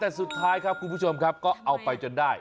แต่สุดท้ายครับคุณผู้ชมครับก็เอาไปจนได้